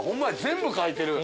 全部書いてる。